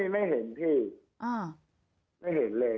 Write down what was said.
ไม่เห็นพี่ไม่เห็นเลย